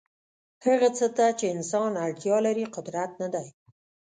هغه څه ته چې انسان اړتیا لري قدرت نه دی.